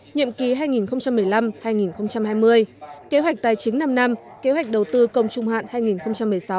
nhiệm ký hai nghìn một mươi năm hai nghìn hai mươi kế hoạch tài chính năm năm kế hoạch đầu tư công trung hạn hai nghìn một mươi sáu hai nghìn hai mươi